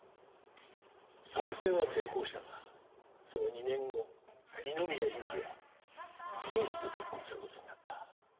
作戦は成功したがその２年後二宮ゆきは刑事と結婚する事になった。